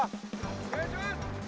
お願いします！